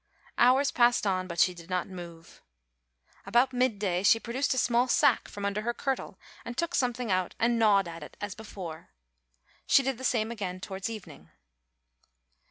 Hours passed on, but she did not move. About mid day she produced a small sack from under her kirtle and took something out and gnawed at it as before. She did the same again towards evening.